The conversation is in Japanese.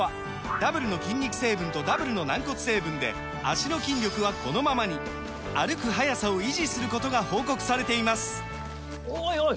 ダブルの筋肉成分とダブルの軟骨成分で脚の筋力はこのままに歩く速さを維持することが報告されていますおいおい！